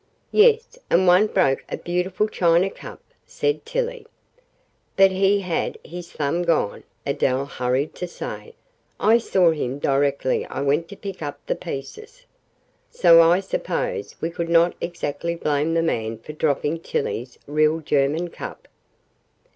"Yes, and one broke a beautiful china cup," said Tillie. "But he had his thumb gone," Adele hurried to say. "I saw him directly I went to pick up the pieces. So I suppose we could not exactly blame the man for dropping Tillie's real German cup."